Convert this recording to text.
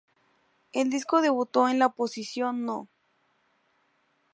El disco debutó en la posición No.